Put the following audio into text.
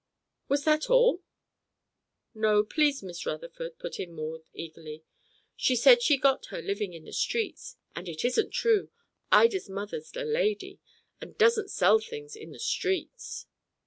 "Was that all?" "No, please, Miss Rutherford," put in Maud eagerly. "She said she got her living in the streets. And it isn't true. Ida's mother's a lady, and doesn't sell things in the streets!"